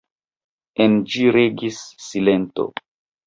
En ĝi regis silento.